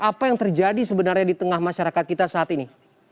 apa yang terjadi sebenarnya di tengah masyarakat kita saat ini